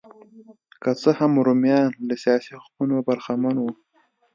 که څه هم رومیان له سیاسي حقونو برخمن وو